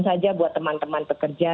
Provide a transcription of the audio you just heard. saja buat teman teman pekerja